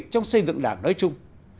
trong xây dựng đảng nói chung